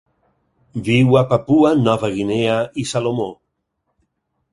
Viu a Papua Nova Guinea i Salomó.